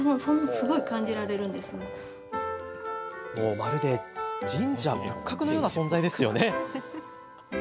まるで寺社仏閣のような存在ですよね。